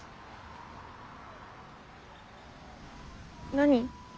何？